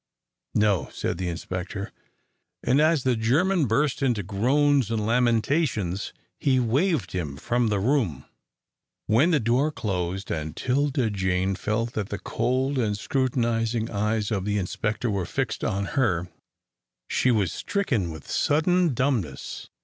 "No," said the inspector, and as the German burst out into groans and lamentations, he waved him from the room. When the door closed, and 'Tilda Jane felt that the cold and scrutinising eyes of the inspector were fixed on her, she was stricken with sudden dumbness.